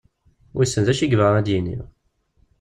Wissen d acu i yebɣa ad d-yini?